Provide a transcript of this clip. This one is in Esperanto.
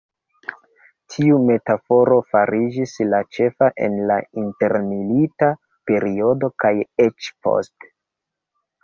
Tiu metaforo fariĝis la ĉefa en la intermilita periodo kaj eĉ poste.